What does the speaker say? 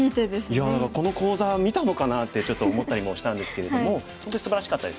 いやこの講座見たのかなってちょっと思ったりもしたんですけれども本当にすばらしかったですね。